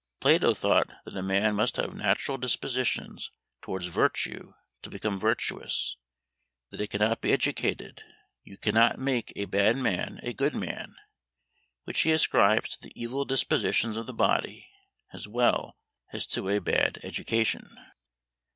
Plato thought that a man must have natural dispositions towards virtue to become virtuous; that it cannot be educated you cannot make a bad man a good man; which he ascribes to the evil dispositions of the body, as well as to a bad education.